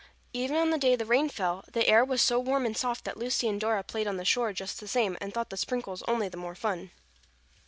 Even on the day the rain fell, the air was so warm and soft that Lucy and Dora played on the shore just the same and thought the sprinkles only the more fun.